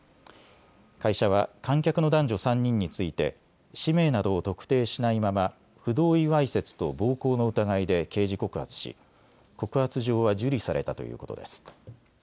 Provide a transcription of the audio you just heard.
会社は観客の男女３人について氏名などを特定しないまま不同意わいせつと暴行の疑いで刑事告発し告発状は受理されたということです。